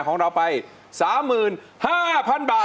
โว้ว่าผิดทำไมว่มีสู่ส่วนธนภาพ